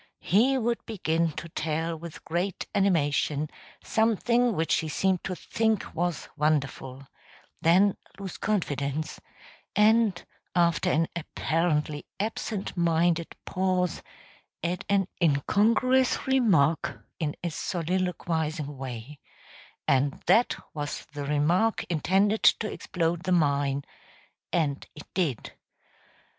He would begin to tell with great animation something which he seemed to think was wonderful; then lose confidence, and after an apparently absent minded pause add an incongruous remark in a soliloquizing way; and that was the remark intended to explode the mine and it did.